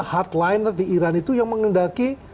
hardliner di iran itu yang mengendaki